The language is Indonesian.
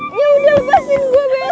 ya udah lepasin gue bella